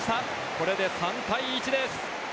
これで３対１です。